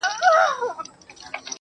د گل خندا.